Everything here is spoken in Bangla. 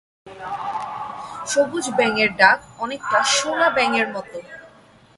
সবুজ ব্যাঙের ডাক অনেকটা সোনা ব্যাঙের মতো।